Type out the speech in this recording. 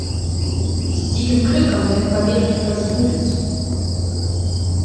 З дзікім крыкам яны пабеглі праз вуліцу.